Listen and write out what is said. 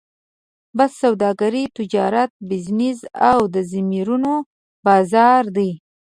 بس سوداګري، تجارت، بزنس او د ضمیرونو بازار دی.